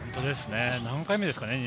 何回目ですかね？